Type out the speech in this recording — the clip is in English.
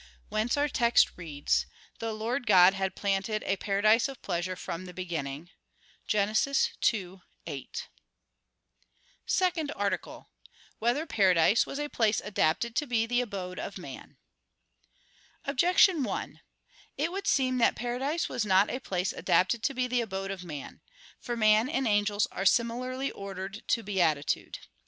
Whence our text reads: "The Lord God had planted a paradise of pleasure from the beginning" (Gen. 2:8). _______________________ SECOND ARTICLE [I, Q. 102, Art. 2] Whether Paradise Was a Place Adapted to Be the Abode of Man? Objection 1: It would seem that paradise was not a place adapted to be the abode of man. For man and angels are similarly ordered to beatitude.